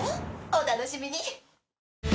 お楽しみに！」